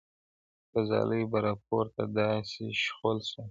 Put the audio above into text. • له ځالیو به راپورته داسي شخول سو -